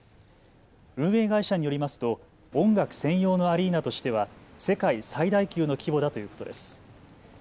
運営会社によりますと音楽専用のアリーナとしては世界最大級の規模だということです。